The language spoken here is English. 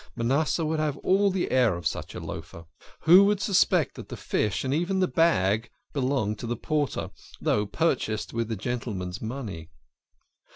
Manasseh would have all the air of such a loafer. Who would suspect that the fish and even the bag belonged to the porter, though purchased with the gentleman's money?